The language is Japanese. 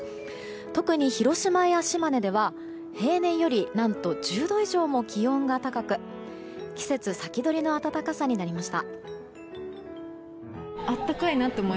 特に広島や島根では平年より何と１０度以上も気温が高く季節先取りの暖かさになりました。